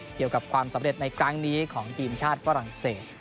เกี่ยวกับความสำเร็จในครั้งนี้ของทีมชาติฝรั่งเศส